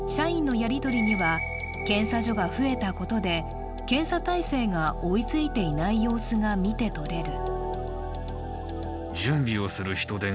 社員のやりとりには検査所が増えたことで、検査体制が追いついていない様子がみてとれる。